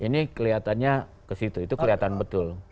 ini kelihatannya ke situ itu kelihatan betul